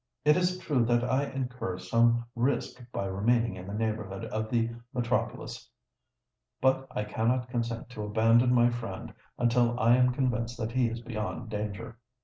It is true that I incur some risk by remaining in the neighbourhood of the metropolis; but I cannot consent to abandon my friend until I am convinced that he is beyond danger."